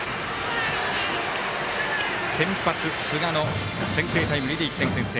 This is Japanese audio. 先発、寿賀の先制タイムリーで１点先制。